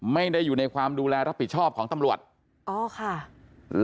ไม่ได้อยู่ในความดูแลรับบิทชอบของธรรมรวช